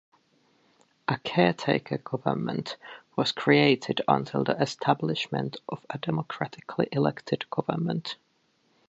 A caretaker government was created until the establishment of a democratically elected government.